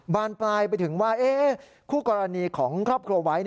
บานปลายไปถึงว่าคู่กรณีของครอบครัวไว้